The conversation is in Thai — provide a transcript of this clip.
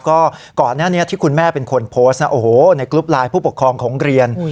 ก็ก่อนหน้านี้ที่คุณแม่เป็นคนโพสต์นะโอ้โหในกรุ๊ปไลน์ผู้ปกครองของเรียน